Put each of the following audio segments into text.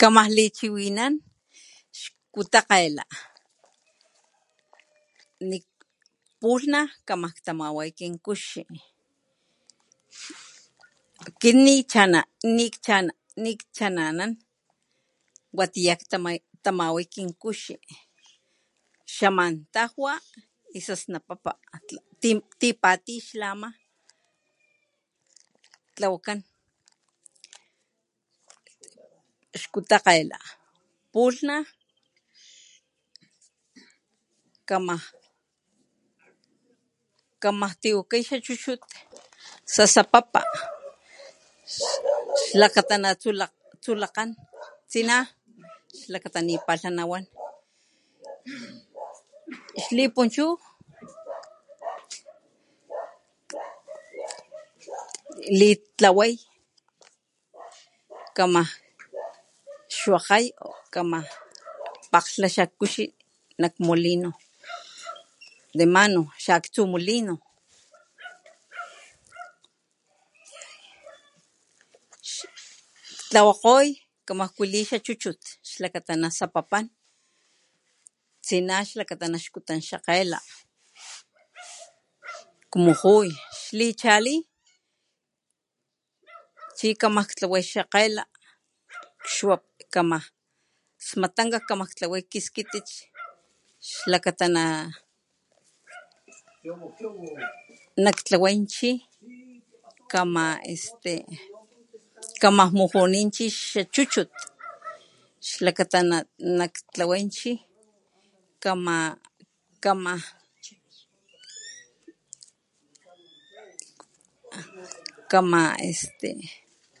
Kamaj lichiwinanan xkutakgela ni pulh kamaj tawama kin kuxi kit nikchana ni cha nikcha'nanan watiyaj ktamawa kin kuxi xa mantajwa y xa snapapa tipatiy xlama tlawakan xkutakgela pulhna kamaj kamaj tiwakay xa chuchut xa sa'papa' xlakata na laktsulakgan tsina xlakata ni palha nawan xli punchu li tlaway kamaj xwakgay kamaj pakglha xa kuxi nak molino de mano xaktsu molino tlawakgoy kama kwali xa chuchut xlakata nasapapan tsina xlakata naxkutan xa kgela kmujuy xli chali chi kama tlaway xa kgela xwa kama smatanka kamaj ktlaway ki skitit xlakata na nak tlaway chi kama este kamak kmujuni chi xa chuchut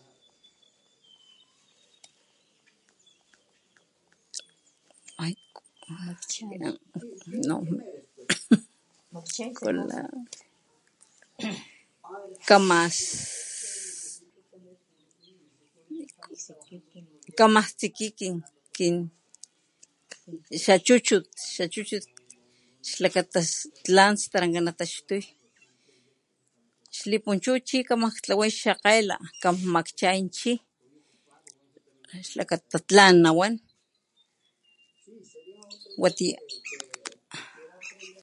xlakata nak tlaway chi kama kama, kama, kama este kamaj tsiki xa chuchut xlakata tlan staranka nataxtuy xli punchi chi kama tlawa xa kgela kan makchaya chi xlakata tlan nawan watiya.